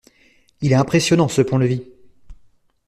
Il est impressionnant ce pont-levis.